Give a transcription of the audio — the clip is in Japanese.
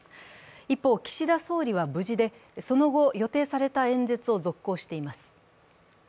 一方、岸田総理は無事で、その後予定された演説を続行しています。